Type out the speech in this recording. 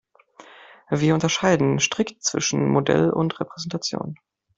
Wir unterscheiden strikt zwischen Modell und Repräsentation.